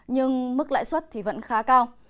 nhưng mức lãi suất vẫn khá cao